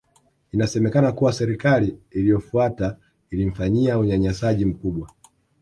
Inasemekana kuwa Serikali iliyofuata ilimfanyia unyanyasaji mkubwa